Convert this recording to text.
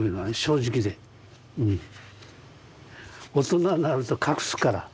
大人になると隠すから。